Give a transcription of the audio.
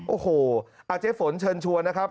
โอ้โหอาเจฝนเชิญชัวร์นะครับ